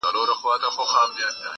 زه احسان د سپلنیو پر ځان نه وړم,